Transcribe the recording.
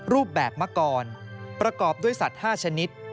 รูปแบบมะกรประกอบด้วยสัตว์๕ชนิด